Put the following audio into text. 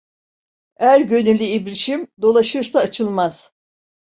Er gönülü ibrişim, dolaşırsa açılmaz.